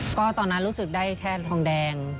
ก็ตอนนั้นรู้สึกได้แค่ทองแดง